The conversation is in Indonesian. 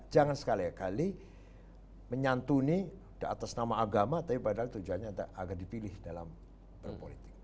jangan sekali kali menyantuni atas nama agama tapi padahal tujuannya agar dipilih dalam berpolitik